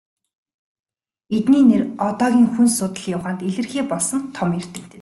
Эдний нэр одоогийн хүн судлалын ухаанд илэрхий болсон том эрдэмтэд.